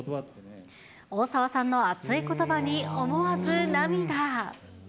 大沢さんの熱いことばに、思わず涙。